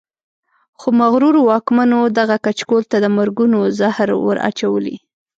خو مغرورو واکمنو دغه کچکول ته د مرګونو زهر ور اچولي.